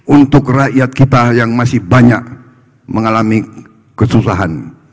untuk rakyat kita yang masih banyak mengalami kesusahan